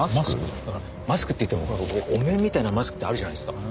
マスクっていってもほらお面みたいなマスクってあるじゃないですか。